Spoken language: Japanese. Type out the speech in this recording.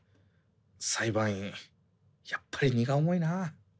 裁判員やっぱり荷が重いな。